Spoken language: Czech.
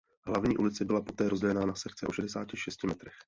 Hlavní ulice byla poté rozdělena na sekce o šedesáti šesti metrech.